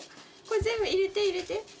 これ全部入れて入れて。